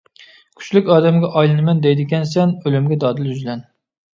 -كۈچلۈك ئادەمگە ئايلىنىمەن دەيدىكەنسەن ئۆلۈمگە دادىل يۈزلەن!